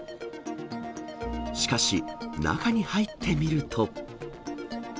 しかし、中に入ってみると。